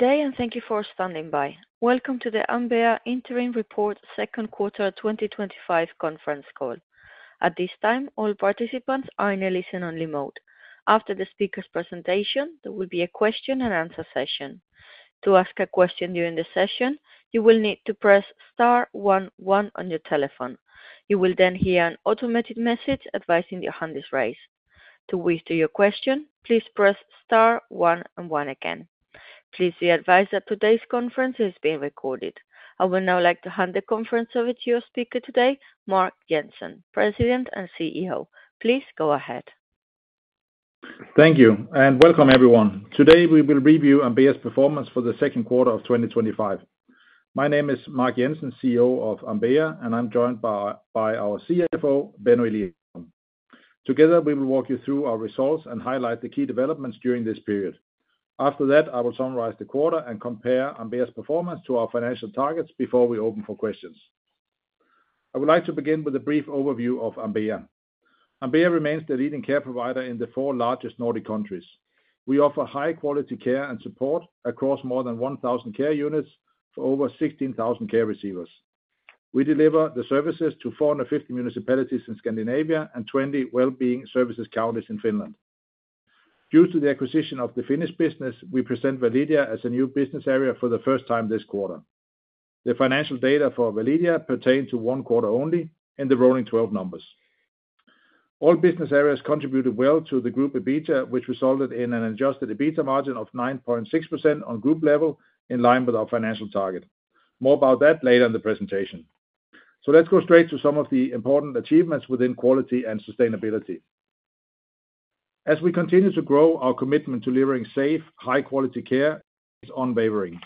Thank you for standing by. Welcome to the Ambea Interim Report Second Quarter 2025 Conference Call. At this time, all participants are in a listen-only mode. After the speaker's presentation, there will be a question and answer session. To ask a question during the session, you will need to press star one one on your telephone. You will then hear an automated message advising your hand is raised. To withdraw your question, please press star one and one again. Please be advised that today's conference is being recorded. I would now like to hand the conference over to your speaker today, Mark Jensen, President and CEO. Please go ahead. Thank you and welcome everyone. Today we will review Ambea's performance for the second quarter of 2025. My name is Mark Jensen, CEO of Ambea, and I'm joined by our CFO, Benno Eliasson. Together, we will walk you through our results and highlight the key developments during this period. After that, I will summarize the quarter and compare Ambea's performance to our financial targets before we open for questions. I would like to begin with a brief overview of Ambea. Ambea remains the leading care provider in the four largest Nordic countries. We offer high-quality care and support across more than 1,000 care units for over 16,000 care receivers. We deliver the services to 450 municipalities in Scandinavia and 20 well-being services counties in Finland. Due to the acquisition of the Finnish business, we present Validia as a new business area for the first time this quarter. The financial data for Validia pertains to one quarter only in the rolling 12 numbers. All business areas contributed well to the group EBITDA, which resulted in an adjusted EBITDA margin of 9.6% on group level, in line with our financial target. More about that later in the presentation. Let's go straight to some of the important achievements within quality and sustainability. As we continue to grow, our commitment to delivering safe, high-quality care is unwavering.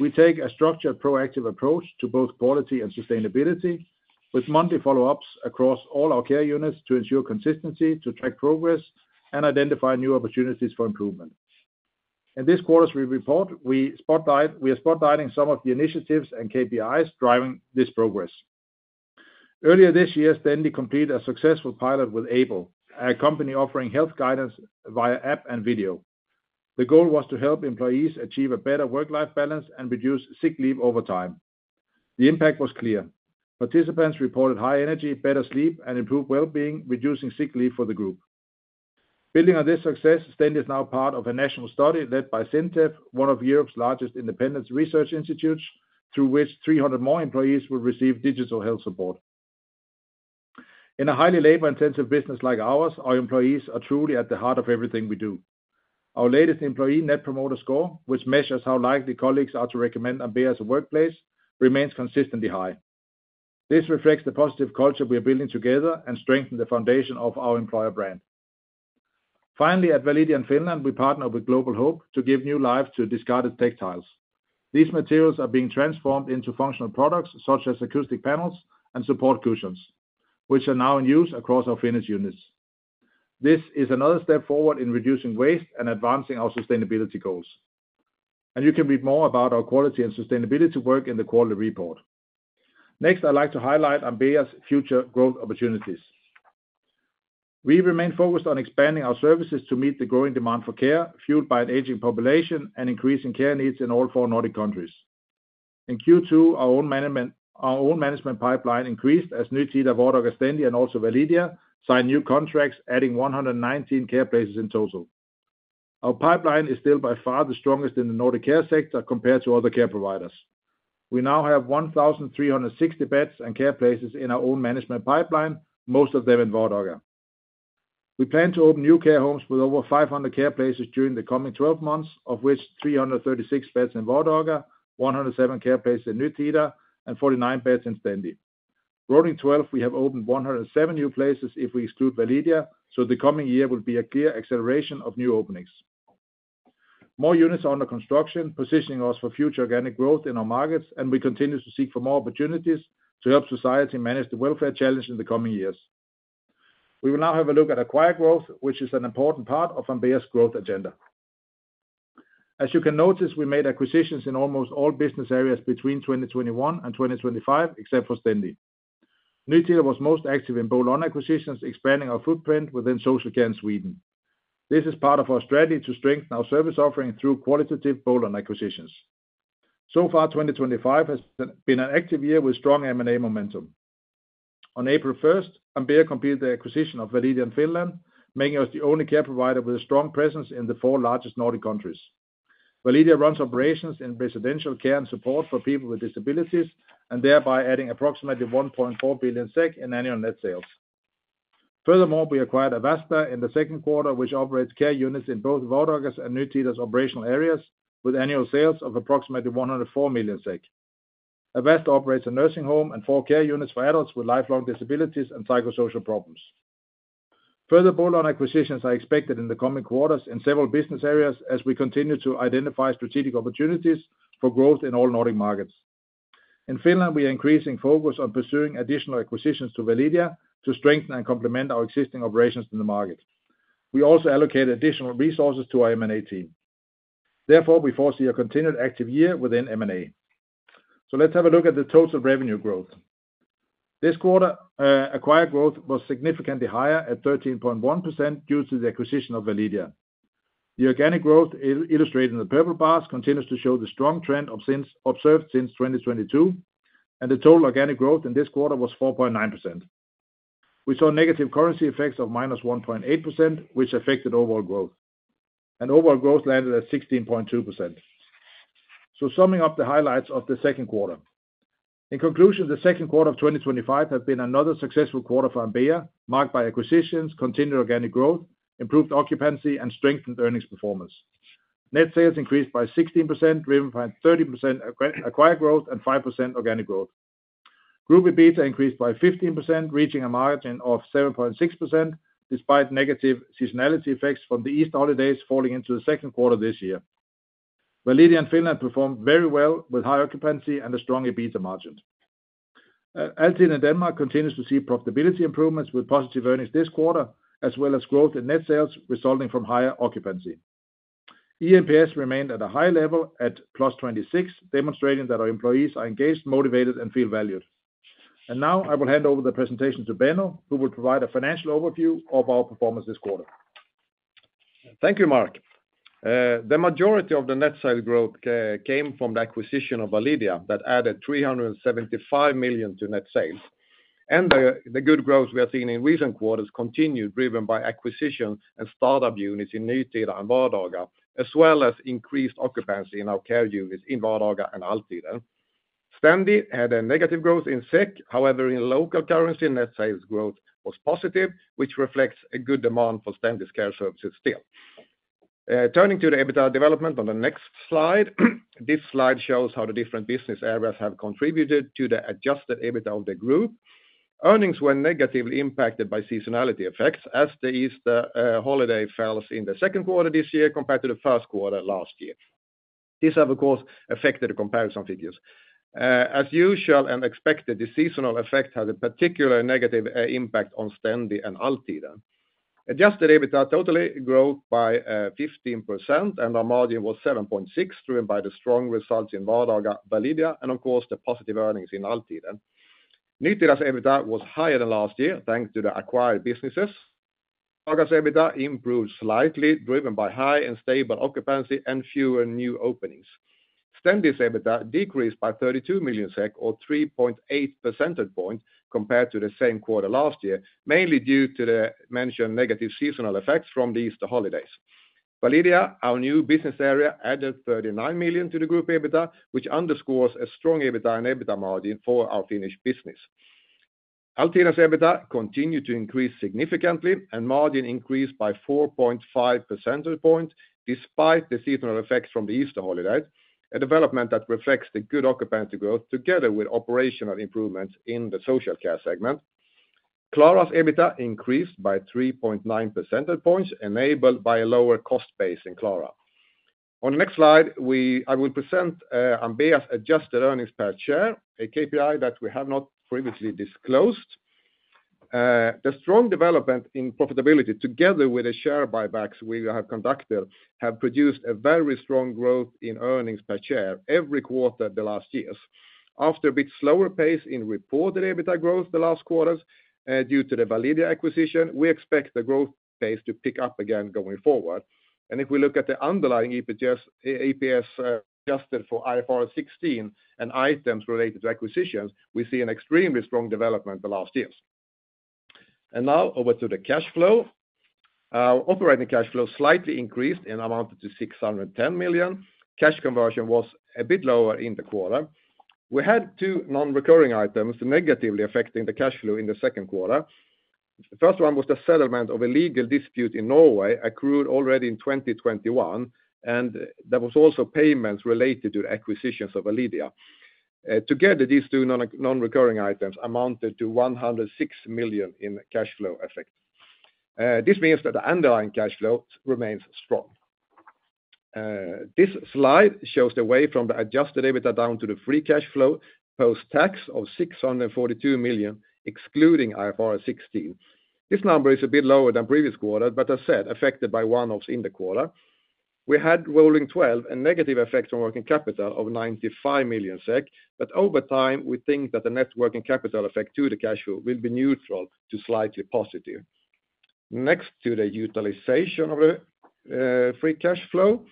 We take a structured, proactive approach to both quality and sustainability, with monthly follow-ups across all our care units to ensure consistency, to track progress, and identify new opportunities for improvement. In this quarter's report, we are spotlighting some of the initiatives and KPIs driving this progress. Earlier this year, Stendi completed a successful pilot with Able, a company offering health guidance via app and video. The goal was to help employees achieve a better work-life balance and reduce sick leave over time. The impact was clear. Participants reported high energy, better sleep, and improved well-being, reducing sick leave for the group. Building on this success, Stendi is now part of a national study led by Synteb, one of Europe's largest independent research institutes, through which 300 more employees will receive digital health support. In a highly labor-intensive business like ours, our employees are truly at the heart of everything we do. Our latest employee Net Promoter Score, which measures how likely colleagues are to recommend Ambea as a workplace, remains consistently high. This reflects the positive culture we are building together and strengthens the foundation of our employer brand. Finally, at Validia in Finland, we partner with Global Hope to give new life to discarded textiles. These materials are being transformed into functional products such as acoustic panels and support cushions, which are now in use across our Finnish units. This is another step forward in reducing waste and advancing our sustainability goals. You can read more about our quality and sustainability work in the quarterly report. Next, I'd like to highlight Ambea's future growth opportunities. We remain focused on expanding our services to meet the growing demand for care, fueled by an aging population and increasing care needs in all four Nordic countries. In Q2, our own management pipeline increased as Nytida, Vardaga, Stendi, and also Validia signed new contracts, adding 119 care places in total. Our pipeline is still by far the strongest in the Nordic care sector compared to other care providers. We now have 1,360 beds and care places in our own management pipeline, most of them in Vardaga. We plan to open new care homes with over 500 care places during the coming 12 months, of which 336 beds in Vardaga, 107 care places in Nytida, and 49 beds in Stendi. Rolling 12, we have opened 107 new places if we exclude Validia, so the coming year will be a clear acceleration of new openings. More units are under construction, positioning us for future organic growth in our markets, and we continue to seek more opportunities to help society manage the welfare challenge in the coming years. We will now have a look at acquired growth, which is an important part of Ambea's growth agenda. As you can notice, we made acquisitions in almost all business areas between 2021 and 2025, except for Stendi. Nytida was most active in Bolon acquisitions, expanding our footprint within Social Care in Sweden. This is part of our strategy to strengthen our service offering through qualitative Bolon acquisitions. So far, 2025 has been an active year with strong M&A momentum. On April 1st, Ambea completed the acquisition of Validia in Finland, making us the only care provider with a strong presence in the four largest Nordic countries. Validia runs operations in residential care and support for people with disabilities, thereby adding approximately 1.4 billion SEK in annual net sales. Furthermore, we acquired Avasta in the second quarter, which operates care units in both Vardaga's and Nytida's operational areas, with annual sales of approximately 104 million SEK. Avasta operates a nursing home and four care units for adults with lifelong disabilities and psychosocial problems. Further qualitative Bolon acquisitions are expected in the coming quarters in several business areas as we continue to identify strategic opportunities for growth in all Nordic markets. In Finland, we are increasing focus on pursuing additional acquisitions to Validia to strengthen and complement our existing operations in the market. We also allocate additional resources to our M&A team. Therefore, we foresee a continued active year within M&A. Let's have a look at the total revenue growth. This quarter, acquired growth was significantly higher at 13.1% due to the acquisition of Validia. The organic growth illustrated in the purple bars continues to show the strong trend observed since 2022, and the total organic growth in this quarter was 4.9%. We saw negative currency effects of -1.8%, which affected overall growth. Overall growth landed at 16.2%. Summing up the highlights of the second quarter, in conclusion, the second quarter of 2025 has been another successful quarter for Ambea, marked by acquisitions, continued organic growth, improved occupancy, and strengthened earnings performance. Net sales increased by 16%, driven by 13% acquired growth and 5% organic growth. Group EBITDA increased by 15%, reaching a margin of 7.6%, despite negative seasonality effects from the Easter holiday falling into the second quarter this year. Validia in Finland performed very well with high occupancy and a strong EBITDA margin. Altida in Denmark continues to see profitability improvements with positive earnings this quarter, as well as growth in net sales resulting from higher occupancy. ENPS remained at a high level at +26, demonstrating that our employees are engaged, motivated, and feel valued. Now I will hand over the presentation to Benno, who will provide a financial overview of our performance this quarter. Thank you, Mark. The majority of the net sales growth came from the acquisition of Validia that added 375 million to net sales. The good growth we have seen in recent quarters continued, driven by acquisitions and startup units in Nytida and Vardaga, as well as increased occupancy in our care units in Vardaga and Altida. Stendi had a negative growth in SEK; however, in local currency, net sales growth was positive, which reflects a good demand for Stendi's care services still. Turning to the EBITDA development on the next slide, this slide shows how the different business areas have contributed to the adjusted EBITDA of the group. Earnings were negatively impacted by seasonality effects, as the Easter holiday fell in the second quarter this year compared to the first quarter last year. This has, of course, affected the comparison figures. As usual and expected, the seasonal effect had a particularly negative impact on Stendi and Altida. Adjusted EBITDA totally grew by 15%, and our margin was 7.6%, driven by the strong results in Vardaga, Validia, and, of course, the positive earnings in Altida. Nytida's EBITDA was higher than last year, thanks to the acquired businesses. Vardaga's EBITDA improved slightly, driven by high and stable occupancy and fewer new openings. Stendi's EBITDA decreased by 32 million SEK, or 3.8 percentage points compared to the same quarter last year, mainly due to the mentioned negative seasonal effects from the Easter holiday. Validia, our new business area, added 39 million to the group EBITDA, which underscores a strong EBITDA and EBITDA margin for our Finnish business. Altida's EBITDA continued to increase significantly, and the margin increased by 4.5 percentage points, despite the seasonal effects from the Easter holiday, a development that reflects the good occupancy growth together with operational improvements in the social care segment. Klara's EBITDA increased by 3.9 percentage points, enabled by a lower cost base in Klara. On the next slide, I will present Ambea's adjusted earnings per share, a KPI that we have not previously disclosed. The strong development in profitability, together with the share buybacks we have conducted, have produced a very strong growth in earnings per share every quarter the last year. After a bit slower pace in reported EBITDA growth the last quarter due to the Validia acquisition, we expect the growth pace to pick up again going forward. If we look at the underlying EPS adjusted for IFRS 16 and items related to acquisitions, we see an extremely strong development the last year. Now over to the cash flow. Our operating cash flow slightly increased and amounted to 610 million. Cash conversion was a bit lower in the quarter. We had two non-recurring items negatively affecting the cash flow in the second quarter. The first one was the settlement of a legal dispute in Norway, accrued already in 2021, and there were also payments related to the acquisitions of Validia. Together, these two non-recurring items amounted to 106 million in cash flow effect. This means that the underlying cash flow remains strong. This slide shows the way from the adjusted EBITDA down to the free cash flow post-tax of 642 million, excluding IFRS 16. This number is a bit lower than previous quarters, but as I said, affected by one-offs in the quarter. We had rolling 12 and negative effects on working capital of 95 million SEK, but over time, we think that the net working capital effect to the cash flow will be neutral to slightly positive. Next to the utilization of the free cash flow,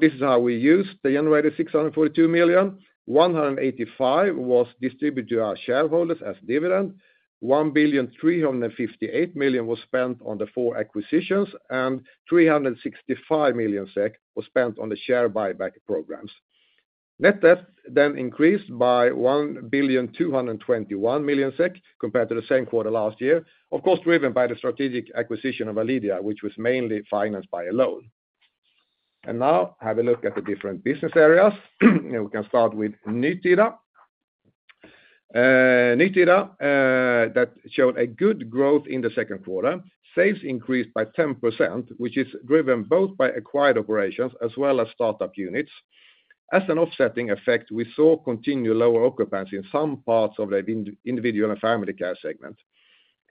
this is how we used the generated 642 million. 185 million was distributed to our shareholders as dividend. 1.358 billion was spent on the four acquisitions, and 365 million SEK was spent on the share buyback programs. Net debt then increased by 1.221 billion compared to the same quarter last year, of course, driven by the strategic acquisition of Validia, which was mainly financed by a loan. Now have a look at the different business areas. We can start with Nytida. Nytida showed a good growth in the second quarter. Sales increased by 10%, which is driven both by acquired operations as well as startup units. As an offsetting effect, we saw continued lower occupancy in some parts of the individual and family care segment.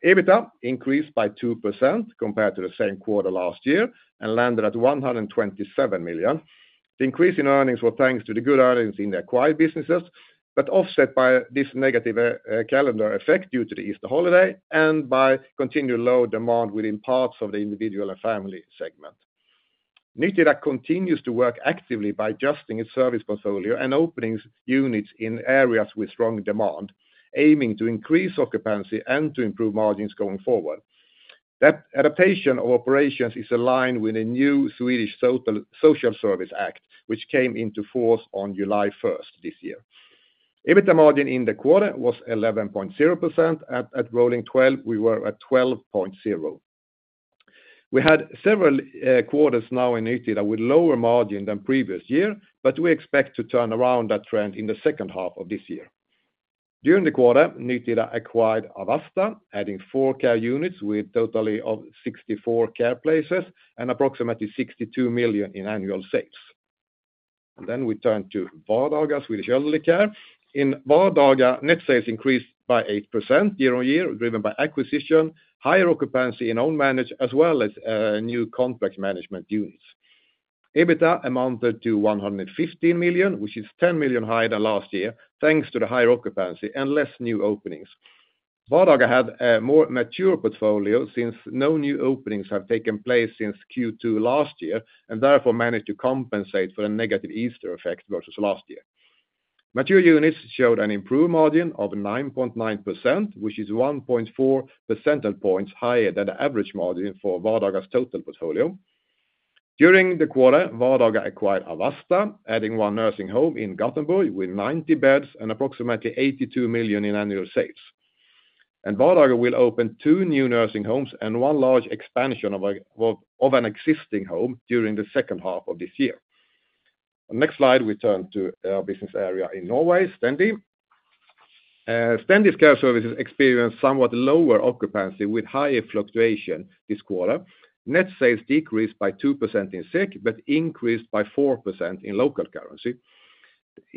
EBITDA increased by 2% compared to the same quarter last year and landed at 127 million. The increase in earnings was thanks to the good earnings in the acquired businesses, but offset by this negative calendar effect due to the Easter holiday and by continued low demand within parts of the individual and family segment. Nytida continues to work actively by adjusting its service portfolio and opening units in areas with strong demand, aiming to increase occupancy and to improve margins going forward. That adaptation of operations is aligned with the new Swedish Social Services Act, which came into force on July 1st this year. EBITDA margin in the quarter was 11.0%. At rolling 12%, we were at 12.0%. We had several quarters now in Nytida with lower margin than previous year, but we expect to turn around that trend in the second half of this year. During the quarter, Nytida acquired Avasta, adding four care units with a total of 64 care places and approximately 62 million in annual sales. We turn to Vardaga, Swedish elderly care. In Vardaga, net sales increased by 8% year on year, driven by acquisition, higher occupancy in owned managed as well as new contract management units. EBITDA amounted to 115 million, which is 10 million higher than last year, thanks to the higher occupancy and less new openings. Vardaga had a more mature portfolio since no new openings have taken place since Q2 last year and therefore managed to compensate for the negative Easter effect versus last year. Mature units showed an improved margin of 9.9%, which is 1.4 percentage points higher than the average margin for Vardaga's total portfolio. During the quarter, Vardaga acquired Avasta, adding one nursing home in Gothenburg with 90 beds and approximately 82 million in annual sales. Vardaga will open two new nursing homes and one large expansion of an existing home during the second half of this year. Next slide, we turn to our business area in Norway, Stendi. Stendi's care services experienced somewhat lower occupancy with higher fluctuation this quarter. Net sales decreased by 2% in SEK, but increased by 4% in local currency.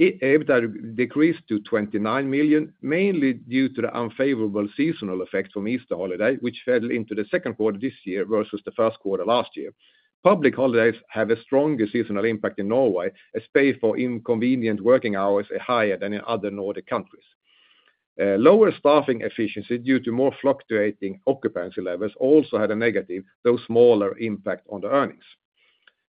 EBITDA decreased to 29 million, mainly due to the unfavorable seasonal effect from Easter holiday, which fell into the second quarter this year versus the first quarter last year. Public holidays have a stronger seasonal impact in Norway, as pay for inconvenient working hours is higher than in other Nordic countries. Lower staffing efficiency due to more fluctuating occupancy levels also had a negative, though smaller impact on the earnings.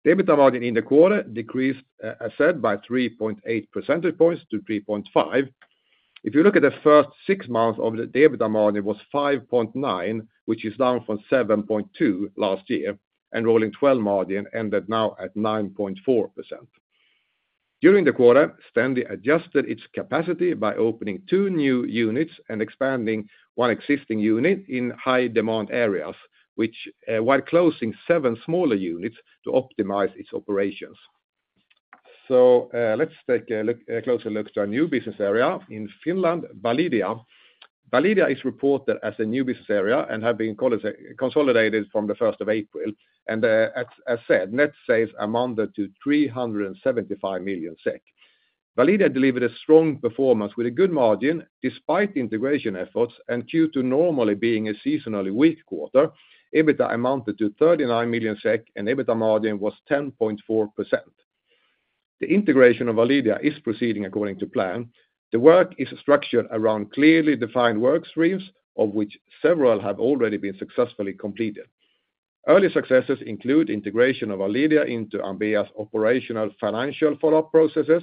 EBITDA margin in the quarter decreased, as I said, by 3.8 percentage points to 3.5. If you look at the first six months of the EBITDA margin, it was 5.9%, which is down from 7.2% last year, and rolling 12% margin ended now at 9.4%. During the quarter, Stendi adjusted its capacity by opening two new units and expanding one existing unit in high-demand areas, while closing seven smaller units to optimize its operations. Let's take a closer look at our new business area in Finland, Validia. Validia is reported as a new business area and has been consolidated from the 1st of April. As I said, net sales amounted to 375 million SEK. Validia delivered a strong performance with a good margin despite integration efforts, and due to normally being a seasonally weak quarter, EBITDA amounted to 39 million SEK and EBITDA margin was 10.4%. The integration of Validia is proceeding according to plan. The work is structured around clearly defined workstreams, of which several have already been successfully completed. Early successes include integration of Validia into Ambea's operational financial follow-up processes,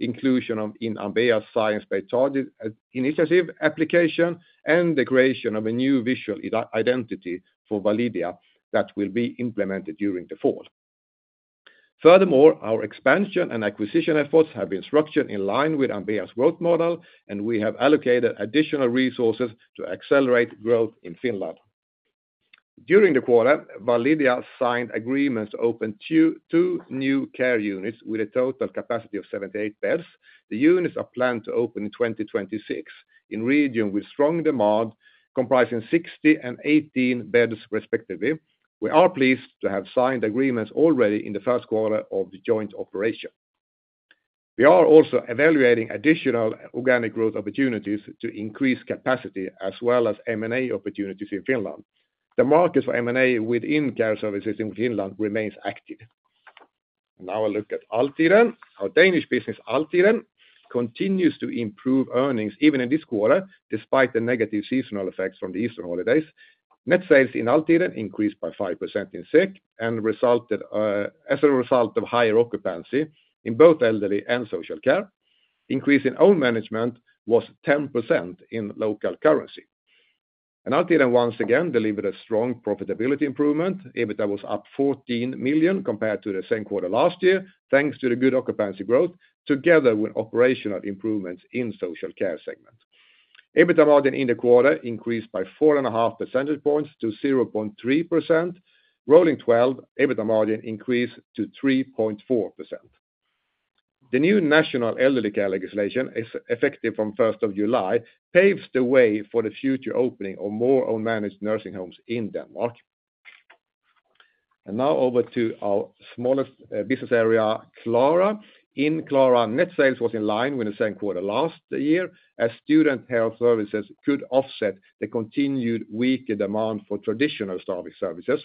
inclusion in Ambea's science-based target initiative application, and the creation of a new visual identity for Validia that will be implemented during the fall. Furthermore, our expansion and acquisition efforts have been structured in line with Ambea's growth model, and we have allocated additional resources to accelerate growth in Finland. During the quarter, Validia signed agreements to open two new care units with a total capacity of 78 beds. The units are planned to open in 2026 in a region with strong demand comprising 60 and 18 beds respectively. We are pleased to have signed agreements already in the first quarter of the joint operation. We are also evaluating additional organic growth opportunities to increase capacity as well as M&A opportunities in Finland. The market for M&A within care services in Finland remains active. Now a look at Altida. Our Danish business, Altida, continues to improve earnings even in this quarter despite the negative seasonal effects from the Easter holiday. Net sales in Altida increased by 5% in SEK as a result of higher occupancy in both elderly and social care. The increase in owned management was 10% in local currency. Altida once again delivered a strong profitability improvement. EBITDA was up 14 million compared to the same quarter last year, thanks to the good occupancy growth together with operational improvements in the social care segment. EBITDA margin in the quarter increased by 4.5 points to 0.3. Rolling 12%, EBITDA margin increased to 3.4%. The new national elderly care legislation, effective from July 1st, paves the way for the future opening of more owned managed nursing homes in Denmark. Now over to our smallest business area, Klara. In Klara, net sales were in line with the same quarter last year as student health services could offset the continued weaker demand for traditional service services.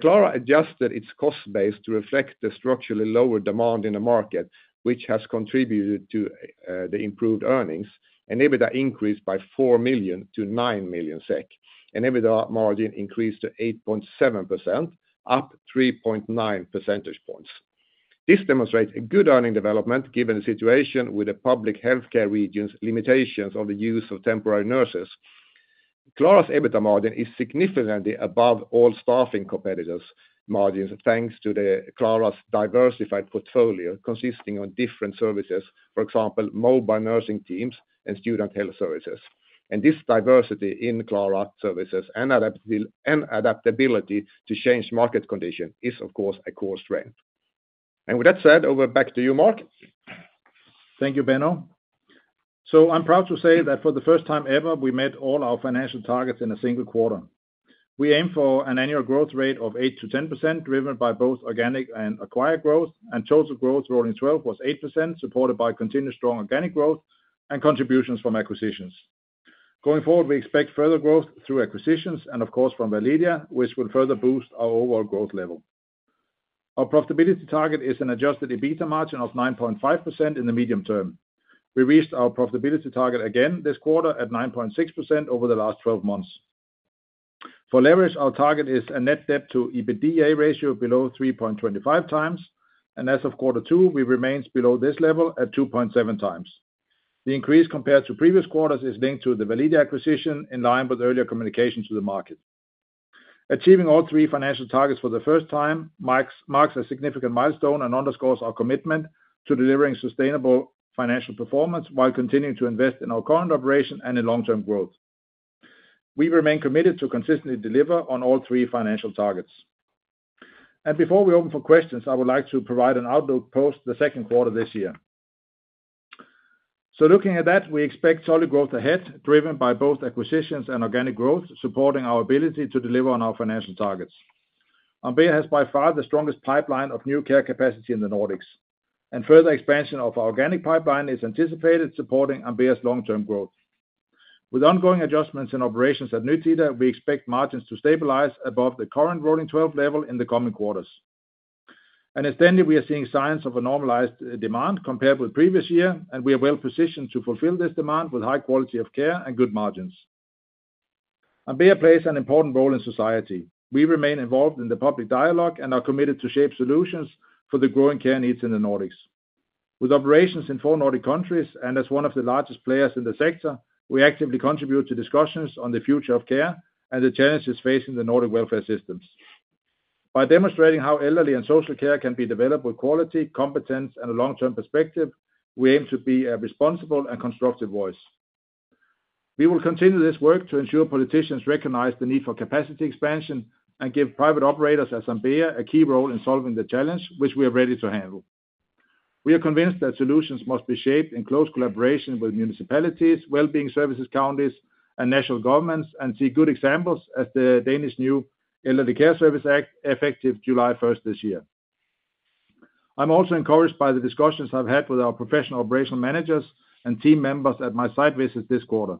Klara adjusted its cost base to reflect the structurally lower demand in the market, which has contributed to the improved earnings, and EBITDA increased by 4 million to 9 million SEK. EBITDA margin increased to 8.7%, up 3.9 percentage points. This demonstrates a good earning development given the situation with the public healthcare region's limitations on the use of temporary nurses. Klara's EBITDA margin is significantly above all staffing competitors' margins thanks to Klara's diversified portfolio consisting of different services, for example, mobile nursing teams and student health services. This diversity in Klara's services and adaptability to change market conditions is, of course, a core strength. With that said, over back to you, Mark. Thank you, Benno. I'm proud to say that for the first time ever, we met all our financial targets in a single quarter. We aim for an annual growth rate of 8%-10%, driven by both organic and acquired growth, and total growth rolling 12% was 8%, supported by continued strong organic growth and contributions from acquisitions. Going forward, we expect further growth through acquisitions and, of course, from Validia, which will further boost our overall growth level. Our profitability target is an adjusted EBITDA margin of 9.5% in the medium term. We reached our profitability target again this quarter at 9.6% over the last 12 months. For leverage, our target is a net debt to EBITDA ratio below 3.25x, and as of quarter two, we remain below this level at 2.7x. The increase compared to previous quarters is linked to the Validia acquisition in line with earlier communications to the market. Achieving all three financial targets for the first time marks a significant milestone and underscores our commitment to delivering sustainable financial performance while continuing to invest in our current operation and in long-term growth. We remain committed to consistently deliver on all three financial targets. Before we open for questions, I would like to provide an outlook post the second quarter this year. Looking at that, we expect solid growth ahead, driven by both acquisitions and organic growth, supporting our ability to deliver on our financial targets. Ambea has by far the strongest pipeline of new care capacity in the Nordics, and further expansion of our organic pipeline is anticipated, supporting Ambea's long-term growth. With ongoing adjustments in operations at Nytida, we expect margins to stabilize above the current rolling 12 level in the coming quarters. At Stendi, we are seeing signs of a normalized demand compared with the previous year, and we are well positioned to fulfill this demand with high quality of care and good margins. Ambea plays an important role in society. We remain involved in the public dialogue and are committed to shape solutions for the growing care needs in the Nordics. With operations in four Nordic countries and as one of the largest players in the sector, we actively contribute to discussions on the future of care and the challenges facing the Nordic welfare systems. By demonstrating how elderly and social care can be developed with quality, competence, and a long-term perspective, we aim to be a responsible and constructive voice. We will continue this work to ensure politicians recognize the need for capacity expansion and give private operators such as Ambea a key role in solving the challenge, which we are ready to handle. We are convinced that solutions must be shaped in close collaboration with municipalities, well-being services counties, and national governments, and see good examples as the Danish new Elderly Care Services Act is effective July 1st, 2024. I'm also encouraged by the discussions I've had with our professional operational managers and team members at my site visit this quarter.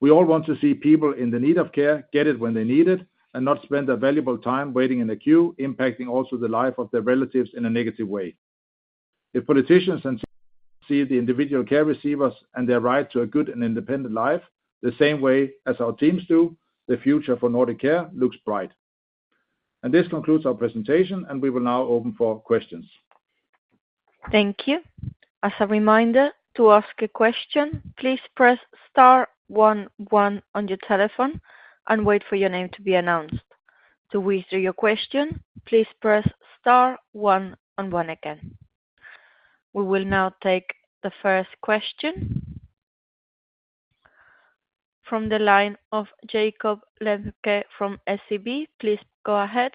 We all want to see people in the need of care get it when they need it and not spend that valuable time waiting in a queue, impacting also the life of their relatives in a negative way. If politicians can see the individual care receivers and their right to a good and independent life the same way as our teams do, the future for Nordic care looks bright. This concludes our presentation, and we will now open for questions. Thank you. As a reminder, to ask a question, please press star one one on your telephone and wait for your name to be announced. To withdraw your question, please press star one and one again. We will now take the first question. From the line of Jacob Lenske from SEB, please go ahead.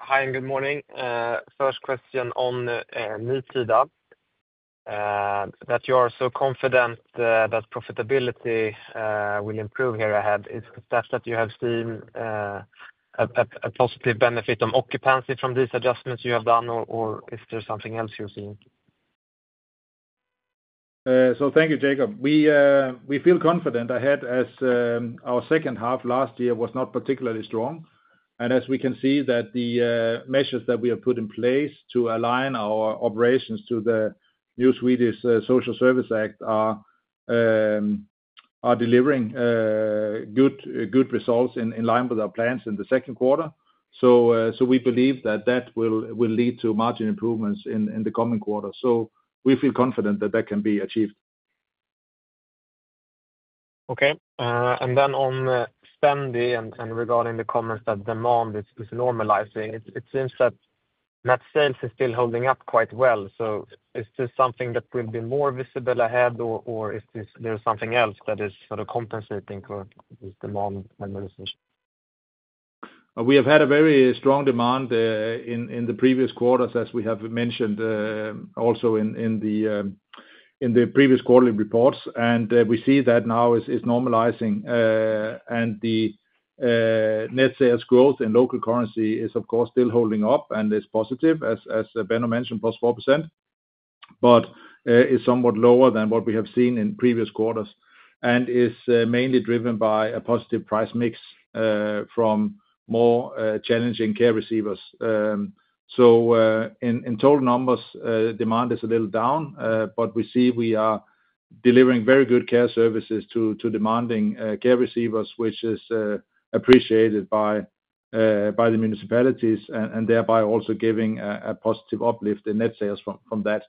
Hi, and good morning. First question on Nytida. That you are so confident that profitability will improve here ahead, is that you have seen a positive benefit on occupancy from these adjustments you have done, or is there something else you're seeing? Thank you, Jacob. We feel confident ahead as our second half last year was not particularly strong, and as we can see that the measures that we have put in place to align our operations to the new Swedish Social Services Act are delivering good results in line with our plans in the second quarter. We believe that that will lead to margin improvements in the coming quarter, so we feel confident that that can be achieved. Okay. On Stendi and regarding the comments that demand is normalizing, it seems that net sales is still holding up quite well. Is this something that will be more visible ahead, or is there something else that is sort of compensating for this demand? We have had a very strong demand in the previous quarters, as we have mentioned also in the previous quarterly reports. We see that now is normalizing. The net sales growth in local currency is, of course, still holding up and is positive, as Benno mentioned, +4%. It's somewhat lower than what we have seen in previous quarters and is mainly driven by a positive price mix from more challenging care receivers. In total numbers, demand is a little down, but we see we are delivering very good care services to demanding care receivers, which is appreciated by the municipalities and thereby also giving a positive uplift in net sales from that.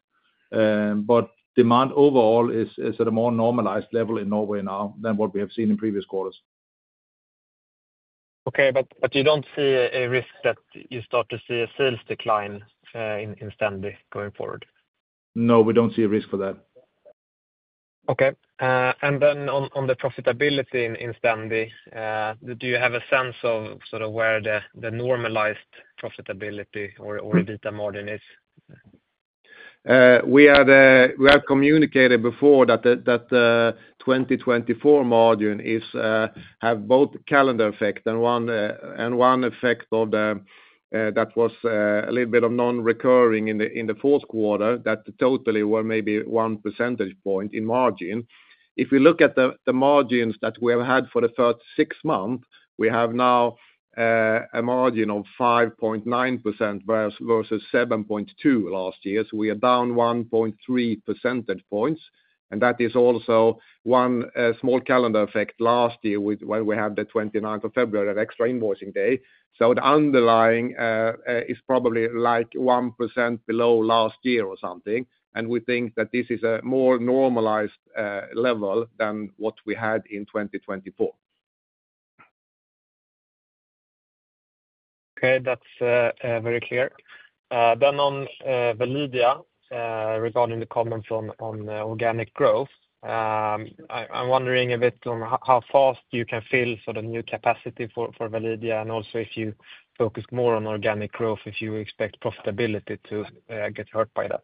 Demand overall is at a more normalized level in Norway now than what we have seen in previous quarters. Okay, you don't see a risk that you start to see a sales decline in Stendi going forward? No, we don't see a risk for that. Okay. On the profitability in Stendi, do you have a sense of sort of where the normalized profitability or EBITDA margin is? We have communicated before that the 2024 margin has both calendar effects, and one effect of that was a little bit of non-recurring in the fourth quarter that totally were maybe 1 percentage point in margin. If we look at the margins that we have had for the first six months, we have now a margin of 5.9% versus 7.2% last year. We are down 1.3 percentage points. That is also one small calendar effect last year when we had the 29th of February, that extra invoicing day. The underlying is probably like 1% below last year or something. We think that this is a more normalized level than what we had in 2024. Okay, that's very clear. On Validia, regarding the comments on organic growth, I'm wondering a bit on how fast you can fill sort of new capacity for Validia and also if you focus more on organic growth if you expect profitability to get hurt by that.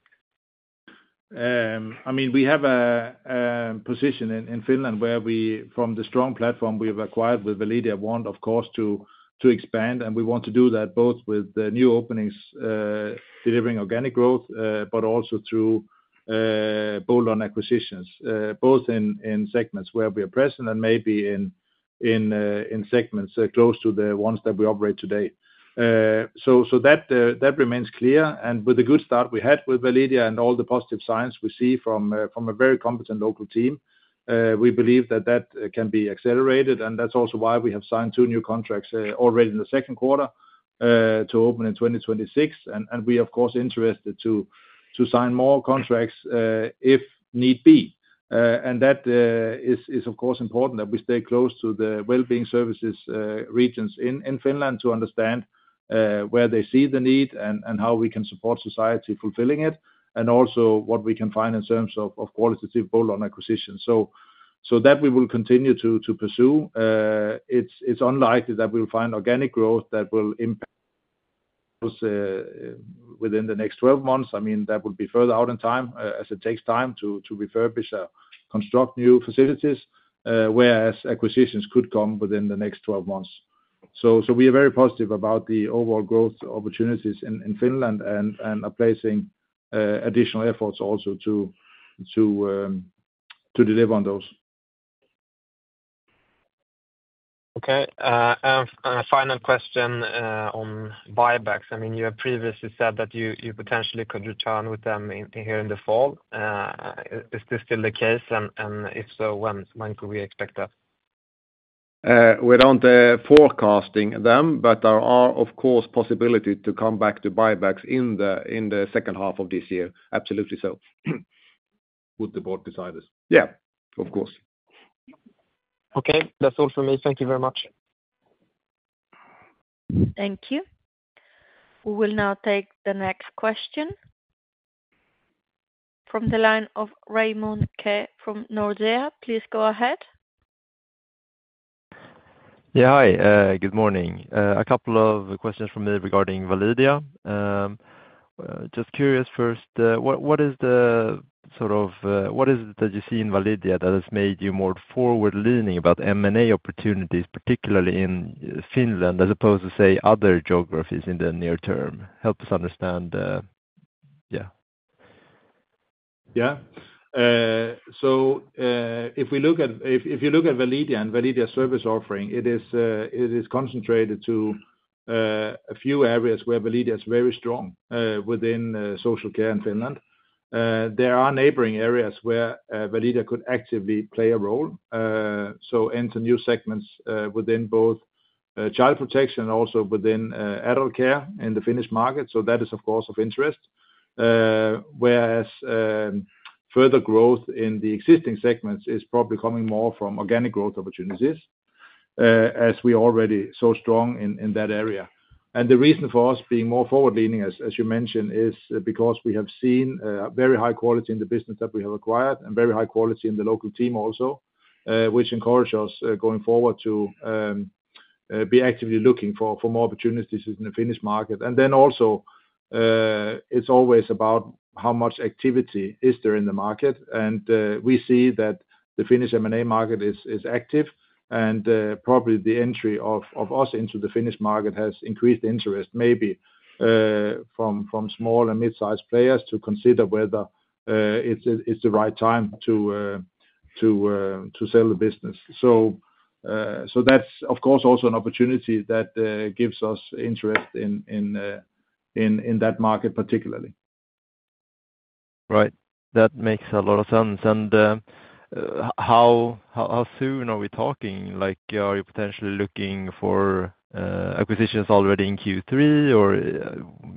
We have a position in Finland where we, from the strong platform we have acquired with Validia, want, of course, to expand. We want to do that both with new openings delivering organic growth, but also through qualitative acquisitions, both in segments where we are present and maybe in segments close to the ones that we operate today. That remains clear. With the good start we had with Validia and all the positive signs we see from a very competent local team, we believe that that can be accelerated. That's also why we have signed two new contracts already in the second quarter to open in 2026. We are, of course, interested to sign more contracts if need be. It is, of course, important that we stay close to the well-being services regions in Finland to understand where they see the need and how we can support society fulfilling it and also what we can find in terms of qualitative acquisitions. We will continue to pursue that. It is unlikely that we will find organic growth that will impact within the next 12 months. That would be further out in time as it takes time to refurbish and construct new facilities, whereas acquisitions could come within the next 12 months. We are very positive about the overall growth opportunities in Finland and are placing additional efforts also to deliver on those. Okay. A final question on buybacks. You have previously said that you potentially could return with them here in the fall. Is this still the case? If so, when could we expect that? We're not forecasting them, but there are, of course, possibilities to come back to buybacks in the second half of this year. Absolutely. With the board beside us, yeah, of course. Okay, that's all for me. Thank you very much. Thank you. We will now take the next question. From the line of Raymond Ke from Nordea, please go ahead. Yeah, hi. Good morning. A couple of questions from me regarding Validia. Just curious, what is it that you see in Validia that has made you more forward-leaning about M&A opportunities, particularly in Finland, as opposed to, say, other geographies in the near term? Help us understand. Yeah. If we look at Validia and Validia's service offering, it is concentrated to a few areas where Validia is very strong within social care in Finland. There are neighboring areas where Validia could actively play a role, to enter new segments within both child protection and also within adult care in the Finnish market. That is, of course, of interest. Whereas further growth in the existing segments is probably coming more from organic growth opportunities, as we are already so strong in that area. The reason for us being more forward-leaning, as you mentioned, is because we have seen very high quality in the business that we have acquired and very high quality in the local team also, which encourages us going forward to be actively looking for more opportunities in the Finnish market. Also, it's always about how much activity is there in the market. We see that the Finnish M&A market is active, and probably the entry of us into the Finnish market has increased interest, maybe from small and mid-sized players, to consider whether it's the right time to sell the business. That's, of course, also an opportunity that gives us interest in that market particularly. Right. That makes a lot of sense. How soon are we talking? Are you potentially looking for acquisitions already in Q3, or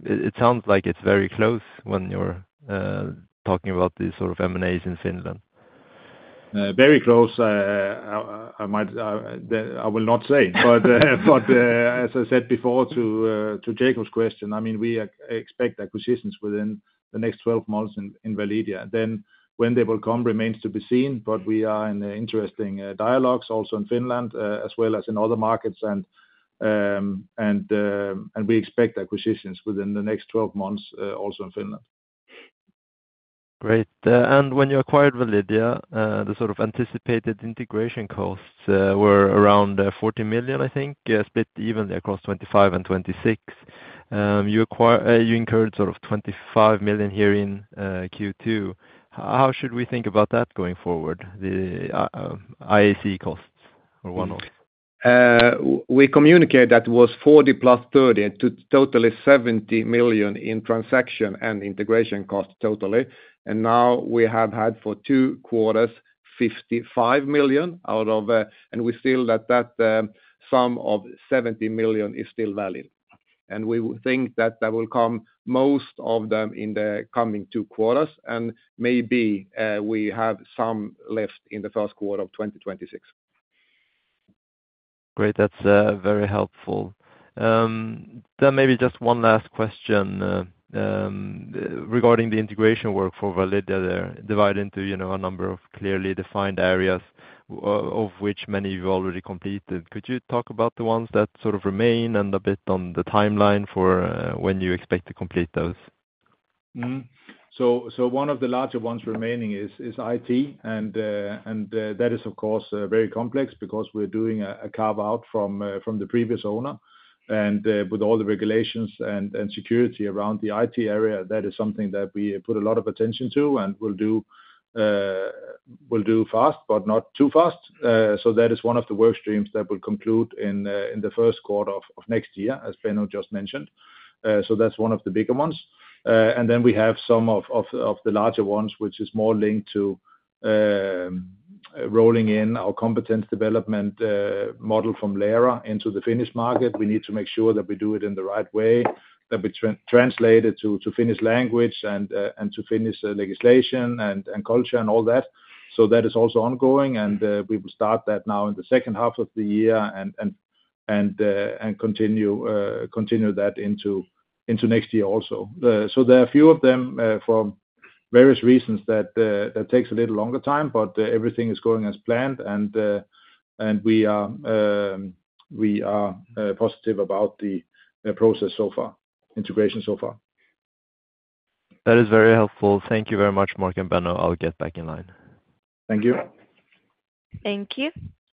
it sounds like it's very close when you're talking about these sort of M&As in Finland? Very close. I will not say. As I said before to Jacob's question, I mean, we expect acquisitions within the next 12 months in Validia. When they will come remains to be seen, but we are in interesting dialogues also in Finland, as well as in other markets. We expect acquisitions within the next 12 months also in Finland. Great. When you acquired Validia, the sort of anticipated integration costs were around 40 million, I think, split evenly across 2025 and 2026. You incurred sort of 25 million here in Q2. How should we think about that going forward, the IAC costs or one-off? We communicated that it was 40 million + 30 million, and totally 70 million in transaction and integration costs totally. We have had for two quarters 55 million out of, and we feel that that sum of 70 million is still valid. We think that that will come most of them in the coming two quarters, and maybe we have some left in the first quarter of 2026. Great. That's very helpful. Maybe just one last question regarding the integration work for Validia there, divided into a number of clearly defined areas, of which many you've already completed. Could you talk about the ones that sort of remain and a bit on the timeline for when you expect to complete those? One of the larger ones remaining is IT, and that is, of course, very complex because we're doing a carve-out from the previous owner. With all the regulations and security around the IT area, that is something that we put a lot of attention to and will do fast, but not too fast. That is one of the workstreams that will conclude in the first quarter of next year, as Benno just mentioned. That's one of the bigger ones. We have some of the larger ones, which are more linked to rolling in our competence development model from Lera into the Finnish market. We need to make sure that we do it in the right way, that we translate it to Finnish language and to Finnish legislation and culture and all that. That is also ongoing, and we will start that now in the second half of the year and continue that into next year also. There are a few of them for various reasons that take a little longer time, but everything is going as planned, and we are positive about the process so far, integration so far. That is very helpful. Thank you very much, Mark and Benno. I'll get back in line. Thank you. Thank you.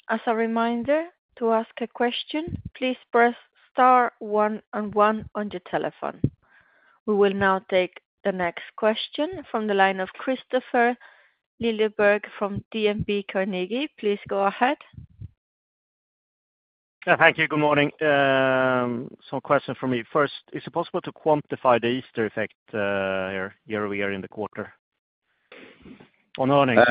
As a reminder, to ask a question, please press star one and one on your telephone. We will now take the next question from the line of Christopher Lilleberg from DNB Carnegie. Please go ahead. Yeah, thank you. Good morning. Some questions from me. First, is it possible to quantify the Easter effect here year over year in the quarter on earnings?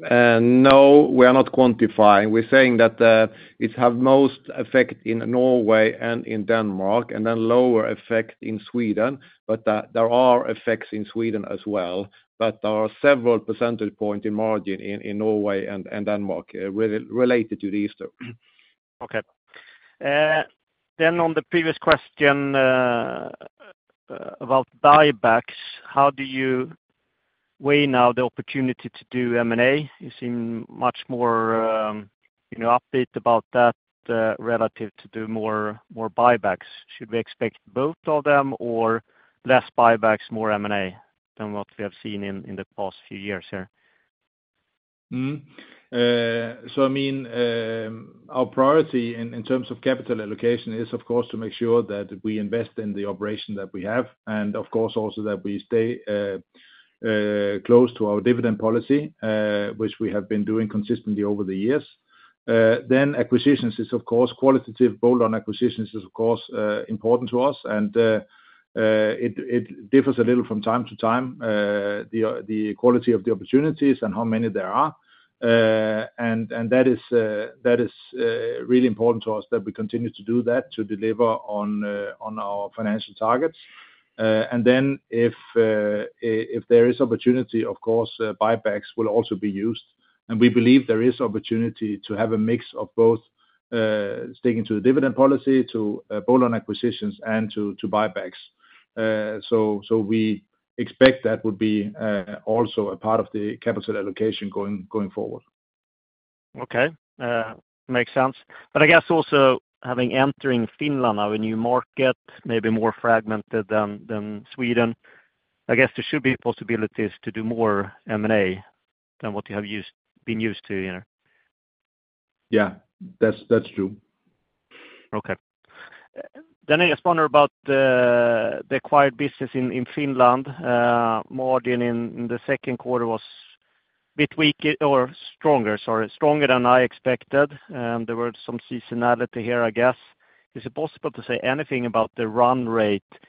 No, we are not quantifying. We're saying that it has most effect in Norway and in Denmark, and then lower effect in Sweden. There are effects in Sweden as well. There are several percentage points in margin in Norway and Denmark related to the Easter. Okay. On the previous question about buybacks, how do you weigh now the opportunity to do M&A? You seem much more upbeat about that relative to do more buybacks. Should we expect both of them, or less buybacks, more M&A than what we have seen in the past few years here? Our priority in terms of capital allocation is, of course, to make sure that we invest in the operation that we have, and of course, also that we stay close to our dividend policy, which we have been doing consistently over the years. Acquisitions, of course, qualitative acquisitions, are important to us. It differs a little from time to time, the quality of the opportunities and how many there are. It is really important to us that we continue to do that to deliver on our financial targets. If there is opportunity, of course, buybacks will also be used. We believe there is opportunity to have a mix of both sticking to the dividend policy, to qualitative acquisitions, and to buybacks. We expect that would be also a part of the capital allocation going forward. Okay. Makes sense. I guess also having entered Finland now, a new market, maybe more fragmented than Sweden, I guess there should be possibilities to do more M&A than what you have been used to here. Yeah, that's true. Okay. I just wonder about the acquired business in Finland. Margin in the second quarter was a bit weaker, or stronger, sorry, stronger than I expected. There was some seasonality here, I guess. Is it possible to say anything about the run rate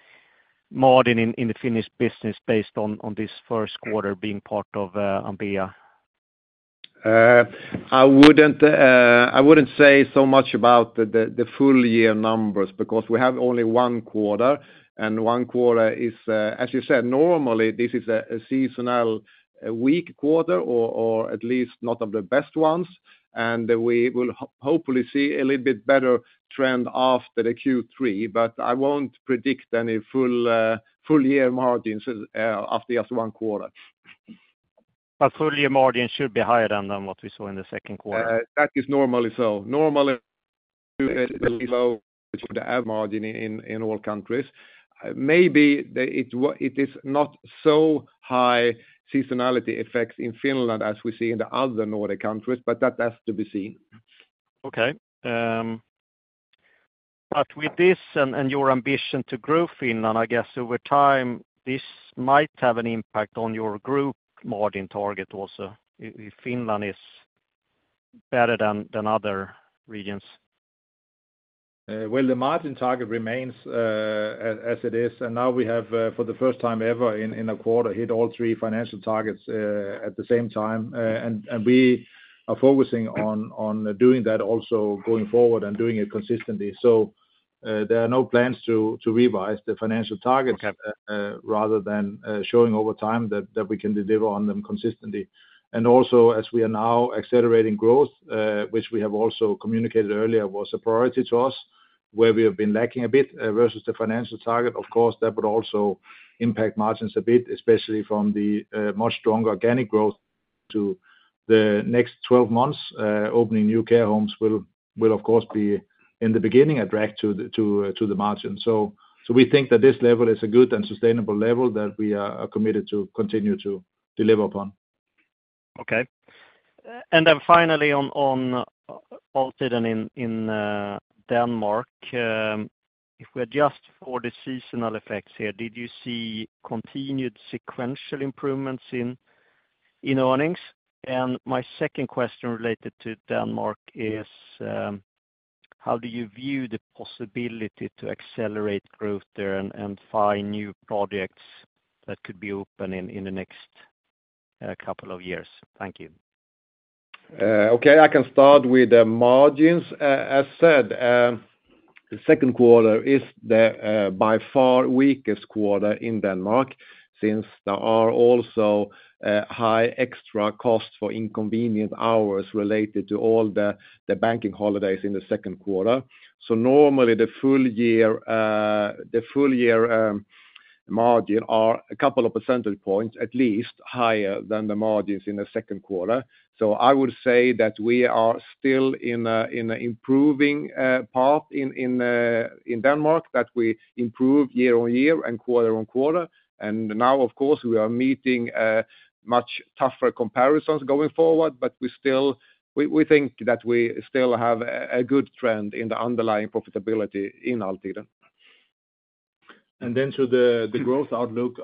margin in the Finnish business based on this first quarter being part of Ambea? I wouldn't say so much about the full year numbers because we have only one quarter. One quarter is, as you said, normally this is a seasonal weak quarter, or at least not one of the best ones. We will hopefully see a little bit better trend after the Q3. I won't predict any full-year margins after just one quarter. Full-year margins should be higher than what we saw in the second quarter. That is normally so. Normally, we would be a little bit lower for the margin in all countries. Maybe it is not so high seasonality effects in Finland as we see in the other Nordic countries, but that has to be seen. With this and your ambition to grow Finland, I guess over time, this might have an impact on your group margin target also if Finland is better than other regions. The margin target remains as it is. Now we have, for the first time ever in a quarter, hit all three financial targets at the same time. We are focusing on doing that also going forward and doing it consistently. There are no plans to revise the financial target rather than showing over time that we can deliver on them consistently. Also, as we are now accelerating growth, which we have also communicated earlier was a priority to us, where we have been lacking a bit versus the financial target, of course, that would also impact margins a bit, especially from the much stronger organic growth to the next 12 months. Opening new care homes will, of course, be in the beginning a drag to the margin. We think that this level is a good and sustainable level that we are committed to continue to deliver upon. Okay. Finally, on Altida in Denmark, if we adjust for the seasonal effects here, did you see continued sequential improvements in earnings? My second question related to Denmark is, how do you view the possibility to accelerate growth there and find new projects that could be open in the next couple of years? Thank you. Okay. I can start with the margins. As I said, the second quarter is by far the weakest quarter in Denmark since there are also high extra costs for inconvenient hours related to all the banking holidays in the second quarter. Normally, the full-year margin is a couple of percentage points at least higher than the margins in the second quarter. I would say that we are still in an improving part in Denmark, that we improve year on year and quarter on quarter. Now, of course, we are meeting much tougher comparisons going forward, but we think that we still have a good trend in the underlying profitability in Altida. To the growth outlook,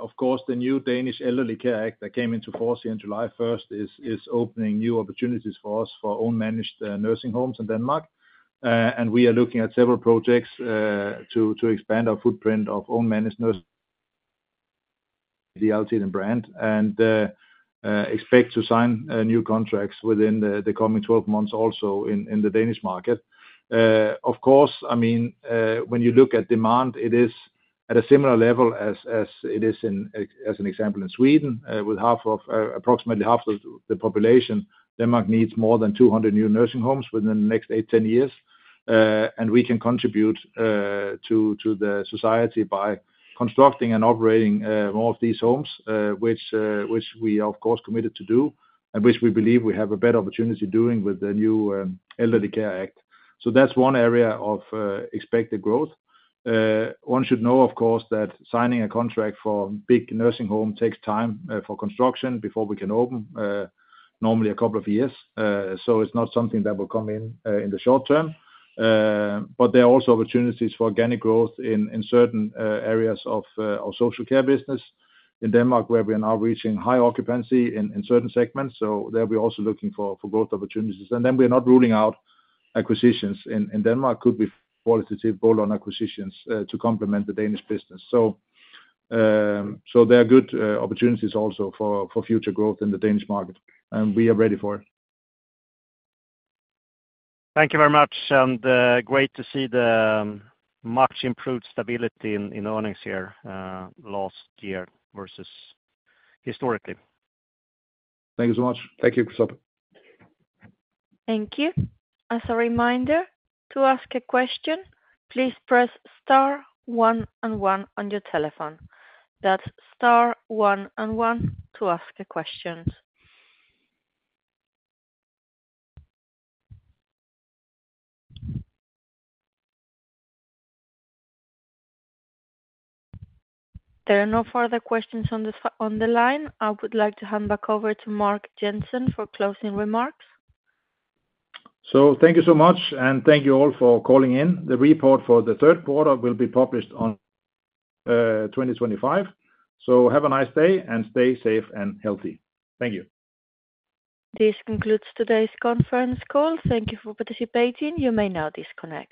the new Danish Elderly Care Act that came into force here on July 1st is opening new opportunities for us for owned managed nursing homes in Denmark. We are looking at several projects to expand our footprint of owned managed nursing in the Altida brand and expect to sign new contracts within the coming 12 months also in the Danish market. When you look at demand, it is at a similar level as it is in, as an example, in Sweden, with approximately half of the population. Denmark needs more than 200 new nursing homes within the next eight to 10 years. We can contribute to the society by constructing and operating more of these homes, which we, of course, are committed to do and which we believe we have a better opportunity doing with the new Elderly Care Act. That is one area of expected growth. One should know, of course, that signing a contract for a big nursing home takes time for construction before we can open, normally a couple of years. It is not something that will come in in the short term. There are also opportunities for organic growth in certain areas of our social care business in Denmark, where we are now reaching high occupancy in certain segments. There we are also looking for growth opportunities. We are not ruling out acquisitions in Denmark. It could be qualitative Bolon acquisitions to complement the Danish business. There are good opportunities also for future growth in the Danish market. We are ready for it. Thank you very much. Great to see the much improved stability in earnings here last year versus historically. Thank you so much. Thank you, Christopher. Thank you. As a reminder, to ask a question, please press star and one on your telephone. That's star one and one to ask a question. There are no further questions on the line. I would like to hand back over to Mark Jensen for closing remarks. Thank you so much, and thank you all for calling in. The report for the third quarter will be published in 2025. Have a nice day and stay safe and healthy. Thank you. This concludes today's conference call. Thank you for participating. You may now disconnect.